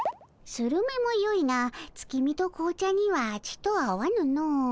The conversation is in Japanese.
スルメもよいが月見と紅茶にはちと合わぬの。